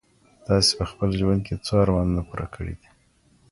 تاسي په خپل ژوند کي څو ارمانونه پوره کړي دي؟